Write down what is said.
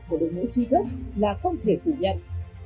của đội ngũ trí thức là không thể phủ nhận